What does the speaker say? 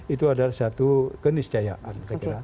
itu adalah satu keniscayaan